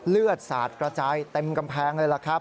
เลือดสาดกระจายเต็มกำแพงเลย